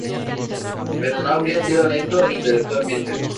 Pero no habría sido honesto intelectualmente.